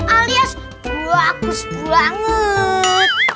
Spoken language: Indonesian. alias gua aku sedih banget